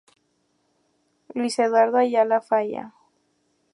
Luis Eduardo Ayala Falla.